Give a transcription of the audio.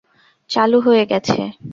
চালু হয়ে গেছে।